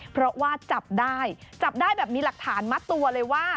เพราะว่าจับได้จับได้แบบมีหลักฐานมัดตัวเลยว่า